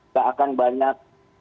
tak akan banyak